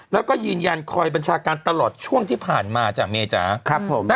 แล้วก็ยืนยันคอยบัญชาการตลอดช่วงที่ผ่านมาจ้ะเมจ๋าครับผม